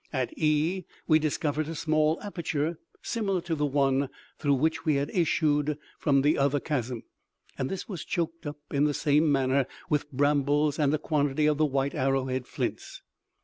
At c we discovered a small aperture similar to the one through which we had issued from the other chasm, and this was choked up in the same manner with brambles and a quantity of the white arrowhead flints.